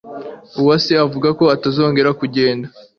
Uwase avuga ko atazongera kugenda.